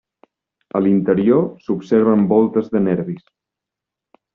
A l'interior s'observen voltes de nervis.